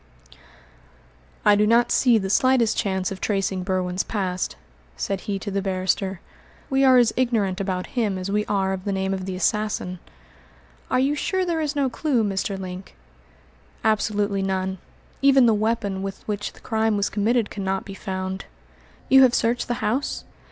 "I do not see the slightest chance of tracing Berwin's past," said he to the barrister. "We are as ignorant about him as we are of the name of the assassin." "Are you sure there is no clue, Mr. Link?" "Absolutely none; even the weapon with which the crime was committed cannot be found." "You have searched the house?"